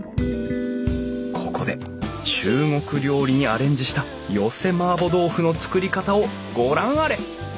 ここで中国料理にアレンジした寄せ麻婆豆腐の作り方をご覧あれ！